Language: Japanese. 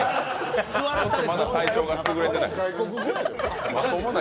ちょっとまだ体調がすぐれてない。